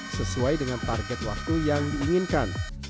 sesuai dengan target waktu yang diinginkan